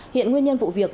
hiện nguyên nhân vụ việc